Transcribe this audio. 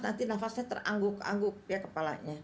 nanti nafasnya terangguk angguk ya kepalanya